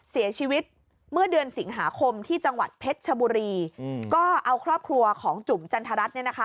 เสียชีวิตเมื่อเดือนสิงหาคมที่จังหวัดเพชรชบุรีก็เอาครอบครัวของจุ๋มจันทรัศนเนี่ยนะคะ